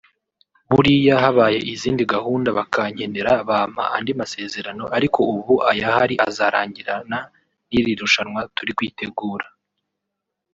Buriya habaye izindi gahunda bakankenera bampa andi masezerano ariko ubu ayahari azarangirana n’iri rushanwa turi kwitegura”